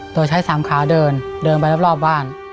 โดยใช้สามขาเดินเดินไปรอบบ้าน